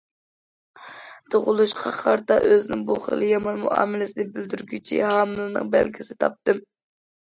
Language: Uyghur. تۇغۇلۇشقا قارىتا ئۆزىنىڭ بۇ خىل يامان مۇئامىلىسىنى بىلدۈرگۈچى ھامىلىنىڭ بەلگىسىنى تاپتىم.